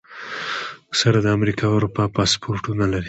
اکثره د امریکا او اروپا پاسپورټونه لري.